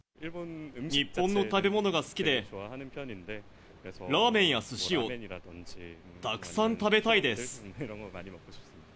日本の食べ物が好きで、ラーメンやすしをたくさん食べたいです。